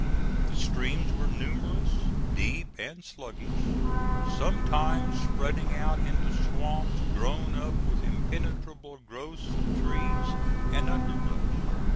The streams were numerous, deep and sluggish, sometimes spreading out into swamps grown up with impenetrable growths of trees and underbrush.